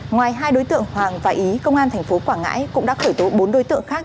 ngoài hai đối tượng hoàng và ý công an tp quảng ngãi cũng đã khởi tố bốn đối tượng khác